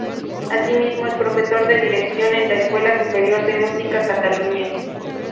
Así mismo es profesor de dirección en la Escuela Superior de Música de Cataluña.